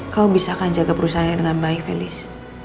kau bisa kan jaga perusahaan ini dengan baik felis